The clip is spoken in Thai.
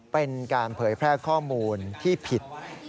เป็นการเผยแพร่ข้อมูลที่ผิด